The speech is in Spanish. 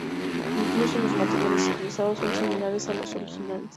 Incluso los materiales utilizados son similares a los originales.